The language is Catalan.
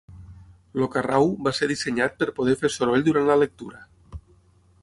El carrau va ser dissenyat per poder fer soroll durant la lectura.